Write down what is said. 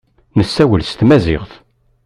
Nessawel s tmaziɣt.